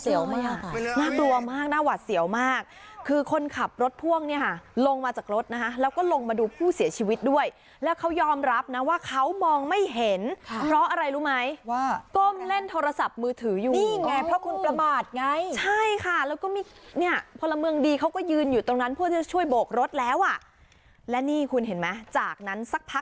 อ่ะน่ากลัวมากน่าหวัดเสียวมากคือคนขับรถพ่วงเนี่ยค่ะลงมาจากรถนะคะแล้วก็ลงมาดูผู้เสียชีวิตด้วยแล้วเขายอมรับนะว่าเขามองไม่เห็นค่ะเพราะอะไรรู้ไหมว่าก้มเล่นโทรศัพท์มือถืออยู่นี่ไงเพราะคุณประมาทไงใช่ค่ะแล้วก็มีเนี่ยพลเมืองดีเขาก็ยืนอยู่ตรงนั้นเพื่อจะช่วยโบกรถแล้วอ่ะและนี่คุณเห็นไหมจากนั้นสักพัก